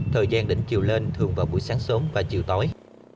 thời gian đỉnh chiều lên thường vào buổi sáng sớm và chiều tối